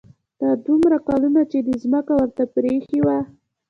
دا دومره کلونه چې دې ځمکه ورته پرېښې وه.